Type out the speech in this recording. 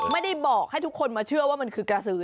ไม่ได้บอกให้ทุกคนมาเชื่อว่ามันคือกระสือ